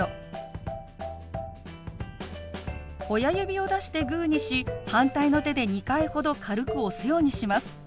親指を出してグーにし反対の手で２回ほど軽く押すようにします。